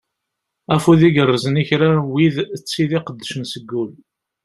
Afud igerzen i kra n wid d tid iqeddcen seg ul.